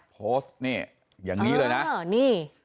โพสต์นี่อย่างนี้เลยนะนี่